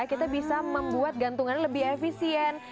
kita bisa membuat gantungan lebih efisien